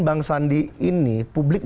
bang sandi ini publik